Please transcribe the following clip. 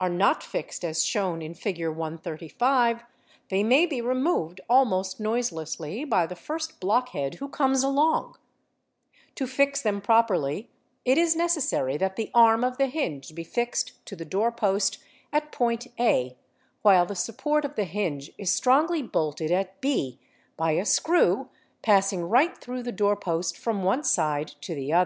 are not fixed as shown in Fig. 135 they may be removed | almost noiselessly by the first blockhead who comes along; to fix them properly it is necessary that the arm of the hinge be fixed to the doo j post at point a, while the support of the hinge is strongly bolted at 6 by 4 a screw passing right through the doorpost from one side to the other.